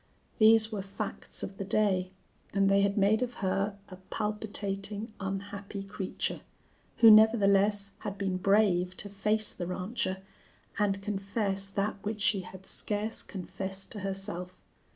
These were facts of the day and they had made of her a palpitating, unhappy creature, who nevertheless had been brave to face the rancher and confess that which she had scarce confessed to herself.